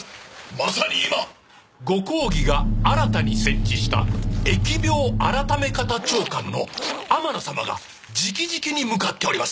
まさに今ご公儀が新たに設置した疫病改方長官の天野さまがじきじきに向かっております